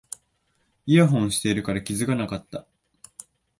イヤホンしてるから気がつかなかった